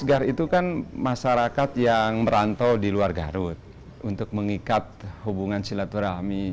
segar itu kan masyarakat yang merantau di luar garut untuk mengikat hubungan silaturahmi